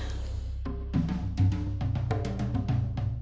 terima kasih yaedy meeting